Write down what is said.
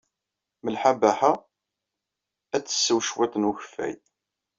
Malḥa Baḥa ad tsew cwiṭ n ukeffay.